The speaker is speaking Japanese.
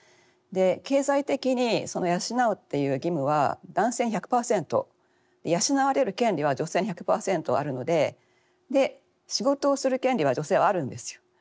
経済的にその養うっていう義務は男性１００％で養われる権利は女性に１００％あるので仕事をする権利は女性はあるんですよ。